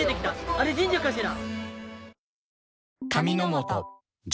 あれ神社かしら？